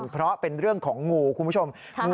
เพราะเป็นเรื่องของงูคุณผู้ชม